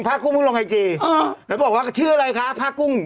พระกุ้งพูดลงไอจีเออแล้วบอกว่าชื่ออะไรคะพระกุ้ง